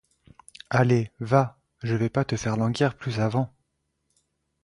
Allez, va : je vais pas te faire languir plus avant.